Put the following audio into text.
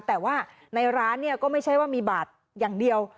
แต่ว่าในร้านเนี่ยก็ไม่ใช่ว่ามีบาทอย่างเดียว